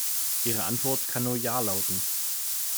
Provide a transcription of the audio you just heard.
Ihre Antwort kann nur ja lauten.